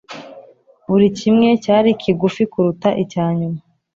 Buri kimwe cyari kigufi kuruta icya nyuma